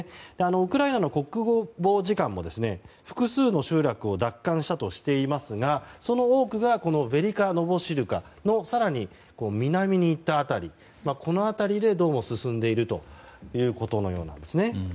ウクライナの国防次官も複数の集落を奪還したとしていますがその多くがヴェリカ・ノヴォシルカの更に南に行った辺りでどうも進んでいるということのようなんです。